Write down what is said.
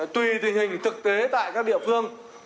tuy tình hình thực tế tại các địa phương